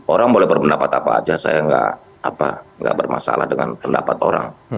orang boleh berpendapat apa aja saya nggak bermasalah dengan pendapat orang